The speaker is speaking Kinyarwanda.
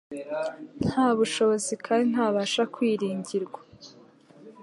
Nta bushobozi, kandi ntabasha kwiringirwa.